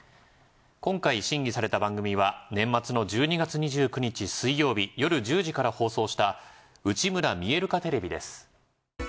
今回審議された番組は年末の１２月２９日水曜日夜１０時から放送した『うちむら見える化ＴＶ』です。